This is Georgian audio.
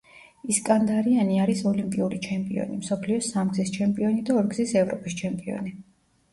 ისკანდარიანი არის ოლიმპიური ჩემპიონი, მსოფლიოს სამგზის ჩემპიონი და ორგზის ევროპის ჩემპიონი.